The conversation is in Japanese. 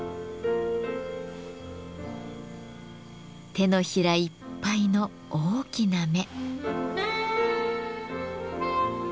手のひらいっぱいの大きな目。